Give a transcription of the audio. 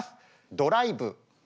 「ドライブ」。